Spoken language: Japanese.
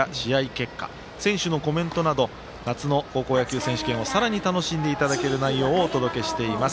結果選手のコメントなど夏の甲子園はさらに楽しんでいただける内容をお届けしています。